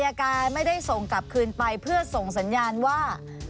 อายการไม่ได้ส่งกลับคืนไปเพื่อส่งสัญญาณว่า